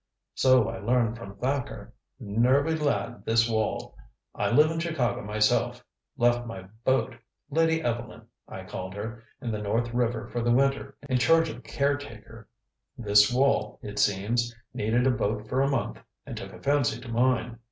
"So I learned from Thacker. Nervy lad, this Wall. I live in Chicago myself left my boat Lady Evelyn, I called her in the North River for the winter in charge of a caretaker. This Wall, it seems, needed a boat for a month and took a fancy to mine.